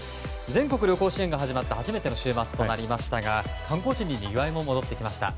全国旅行支援が始まって初めての週末となり観光地ににぎわいも戻ってきました。